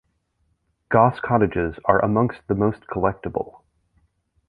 Goss cottages are amongst the most collectible.